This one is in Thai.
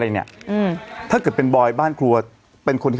เอออย่างนี้นะโอเคค่ะโอเค